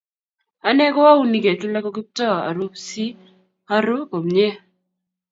Ane ko aunike kila koKiptooa aru si aru komnye